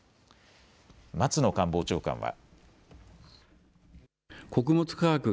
松野官房長官は。